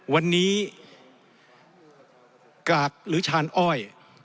วันนี้กากหรือชาญอ้อย